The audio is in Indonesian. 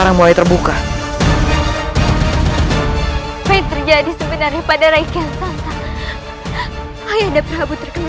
tapi kenapa tidak terluka sama sekali